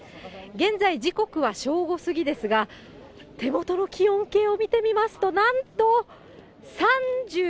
現在、時刻は正午過ぎですが、手元の気温計を見てみますと、なんと、３９．０。